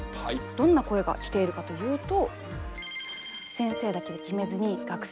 どんな声が来ているかというと。